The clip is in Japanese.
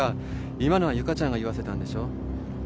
今のは由佳ちゃんが言わせたんでしょ